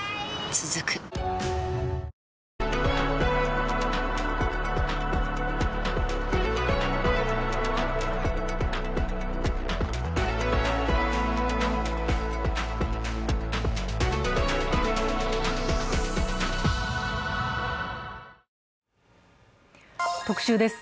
続く特集です。